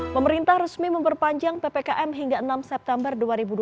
pemerintah resmi memperpanjang ppkm hingga enam september dua ribu dua puluh